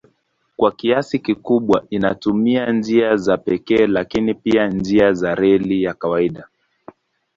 Kwa kiasi kikubwa inatumia njia za pekee lakini pia njia za reli ya kawaida.